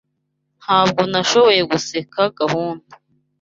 Ntabwo nashoboye guseka gahunda.